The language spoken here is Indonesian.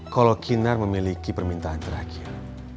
kalau kinar memiliki permintaan terakhir